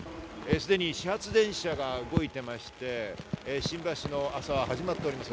すでに始発電車が動いていまして、新橋の朝は始まっています。